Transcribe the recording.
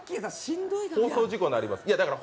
放送事故になりますから。